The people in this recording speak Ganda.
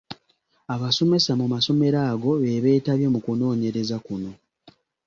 Abasomesa mu masomero ago be beetabye mu kunoonyereza kuno.